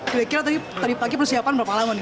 kira kira tadi pagi persiapan berapa lama nih